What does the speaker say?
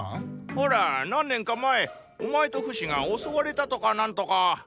ほら何年か前お前とフシが襲われたとか何とか。